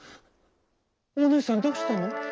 「おねえさんどうしたの？